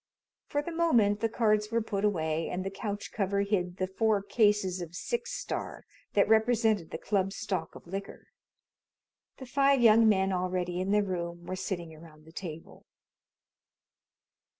For the moment the cards were put away and the couch cover hid the four cases of Six Star that represented the club's stock of liquor. The five young men already in the room were sitting around the table.